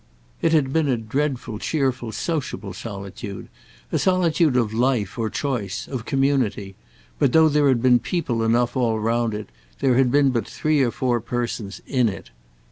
It had been a dreadful cheerful sociable solitude, a solitude of life or choice, of community; but though there had been people enough all round it there had been but three or four persons in it.